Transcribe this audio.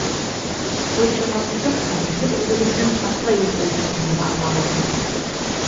Сочиға путевканы һеҙ үҙегеҙҙең профсоюз ойошмаһында ала алаһығыҙ.